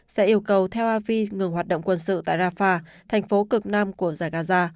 sẽ yêu cầu theo avi ngừng hoạt động quân sự tại rafah thành phố cực nam của dài gaza